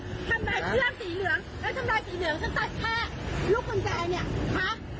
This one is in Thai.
ทำลายเครื่องสีเหลืองแล้วทำลายสีเหลืองซักแค่ลูกกุญแจเนี้ยครับ